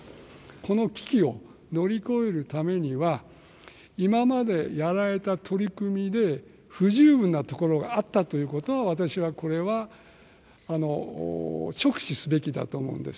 この危機を乗り越えるためには、今までやられた取り組みで、不十分なところがあったということは、私はこれは、直視すべきだと思うんです。